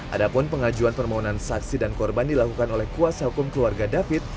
adapun pengajuan permohonan saksi dan korban dilakukan oleh kuasa hukum keluarga david